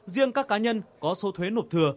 riêng các cá nhân có số thuế nộp thừa